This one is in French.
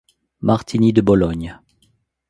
Martini de Bologne.